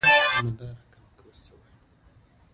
د انټرنیټي پیرودلو لپاره بانکي حساب اړین دی.